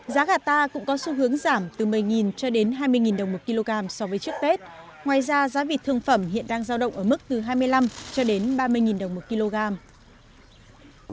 giá gà ta cũng có xu hướng giảm từ một mươi cho đến hai mươi đồng một kg so với trước tết ngoài ra giá vịt thương phẩm hiện đang giao động ở mức từ hai mươi năm cho đến ba mươi đồng một kg